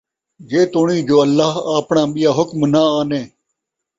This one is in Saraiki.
جیتوڑیں جو اللہ آپڑاں ٻِیا حکم نہ آنے!